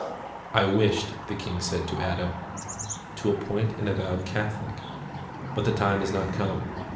"I wished," the King said to Adda, "to appoint an avowed Catholic: but the time is not come.